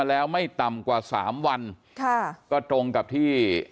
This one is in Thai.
กลุ่มตัวเชียงใหม่